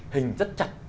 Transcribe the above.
hình rất chặt